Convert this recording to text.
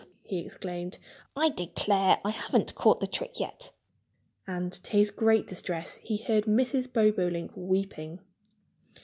he exclaimed. "I declare, I haven't caught the trick yet." And to his great distress he heard Mrs. Bobolink weeping.